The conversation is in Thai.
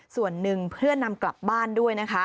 ส่วนหนึ่งเพื่อนำกลับบ้านด้วยนะคะ